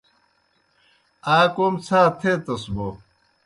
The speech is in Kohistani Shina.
آ کوْم څھا تھیتَس بوْ